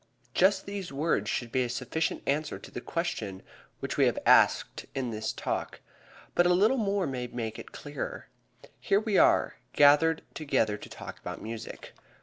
Just these words should be a sufficient answer to the question which we have asked in this Talk, but a little more may make it clearer. Here we are, gathered together to talk about music.